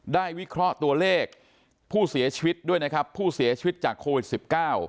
วิเคราะห์ตัวเลขผู้เสียชีวิตด้วยนะครับผู้เสียชีวิตจากโควิดสิบเก้า